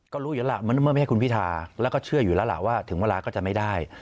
ก็รู้อยู่แล้วละมันนั่งไม่ได้คุณพิทาก็เชื่ออยู่แล้วละว่าถึงเวลาก็จะไม่ได้